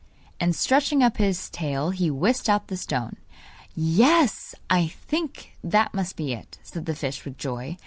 And stretching up his tail he whisked out the stone. 'Yes, I think that must be it,' said the fish with joy.